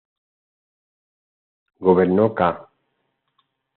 Gobernó ca.